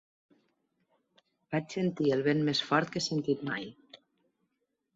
Vaig sentir el vent més fort que he sentit mai.